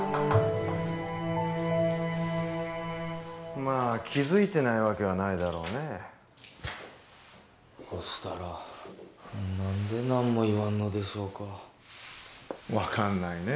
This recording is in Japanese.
まあ気づいてないわけはないだろうねほしたら何で何も言わんのでしょうか分かんないねえ